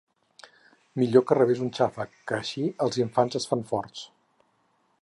Millor que rebés un xàfec, que així els infants es fan forts